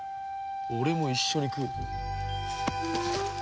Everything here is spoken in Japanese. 俺も一緒に食う。